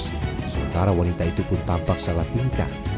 sementara wanita itu pun tampak salah tingkah